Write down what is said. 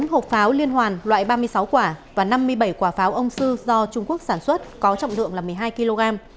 bốn hộp pháo liên hoàn loại ba mươi sáu quả và năm mươi bảy quả pháo ông sư do trung quốc sản xuất có trọng lượng là một mươi hai kg